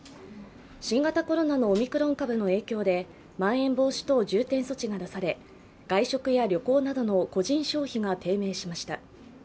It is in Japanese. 新型コロナのオミクロン株の影響でまん延防止等重点措置が出され、外食や旅行などの個人消費が低迷しました。